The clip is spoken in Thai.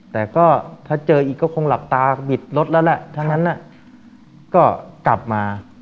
แต่ก็ถ้าเจออีกก็คงหลับตาบิดรถแล้วแหละทั้งนั้นก็กลับมา